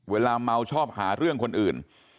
เวลาเมาชอบหาเรื่องคนอื่น